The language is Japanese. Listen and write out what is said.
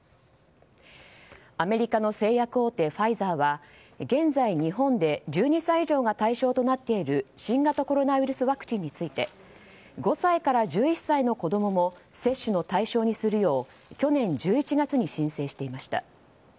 アメリカの製薬大手ファイザーは現在、日本で１２歳以上が対象となっている新型コロナウイルスワクチンについて５歳から１１歳の子供も接種の対象にするよう去年１１月に申請していました。